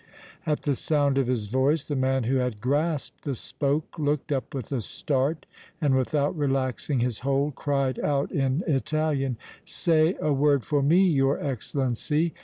At the sound of his voice, the man who had grasped the spoke looked up with a start and, without relaxing his hold, cried out in Italian: "Say a word for me, your Excellency!